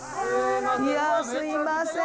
あっすいません。